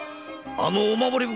あのお守り袋